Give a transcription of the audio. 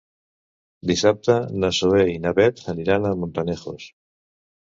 Dissabte na Zoè i na Bet aniran a Montanejos.